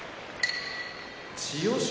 千代翔